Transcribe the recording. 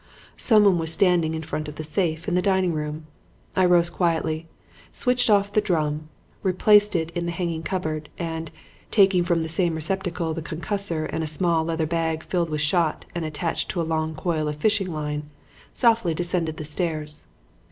Someone was standing in front of the safe in the dining room. I rose quietly, switched off the drum, replaced it in the hanging cupboard, and, taking from the same receptacle the concussor and a small leather bag filled with shot and attached to a long coil of fishing line, softly descended the stairs.